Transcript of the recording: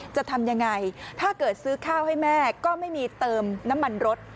จะทำยังไงถ้าเกิดซื้อข้าวให้แม่ก็ไม่มีเติมน้ำมันรถ